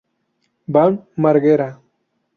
Bam Margera